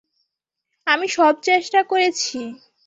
আমি সব চেষ্টা করেছি।